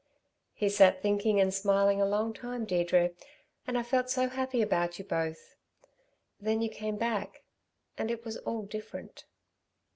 He sat thinking and smiling a long time, Deirdre, and I felt so happy about you both.... Then you came back ... and it was all different."